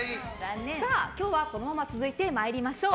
今日は、このまま続いて参りましょう。